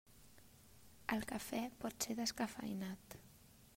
El cafè pot ser descafeïnat.